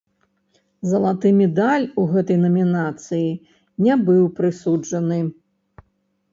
Залаты медаль у гэтай намінацыі не быў прысуджаны.